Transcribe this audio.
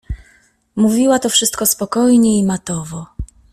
Mówiła to wszystko spokojnie i matowo.